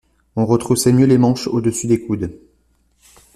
On retroussait mieux les manches au-dessus des coudes.